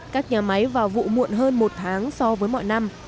các nhà máy vào vụ muộn hơn một tháng so với mọi năm